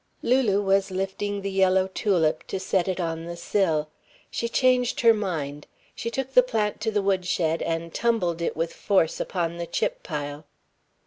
Lulu was lifting the yellow tulip to set it on the sill. She changed her mind. She took the plant to the wood shed and tumbled it with force upon the chip pile.